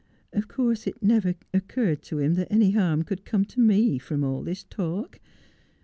Of course it never occurred to him that any harm could come to me from all this talk.